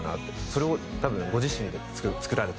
それを多分ご自身で作られてて。